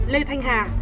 lê thanh hà